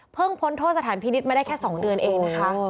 พ้นโทษสถานพินิษฐ์มาได้แค่๒เดือนเองนะคะ